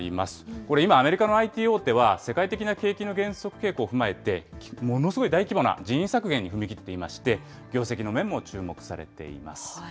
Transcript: これ、今アメリカのＩＴ大手は、世界的な景気の減速傾向を踏まえて、ものすごい大規模な人員削減に踏み切っていまして、業績の面も注目されています。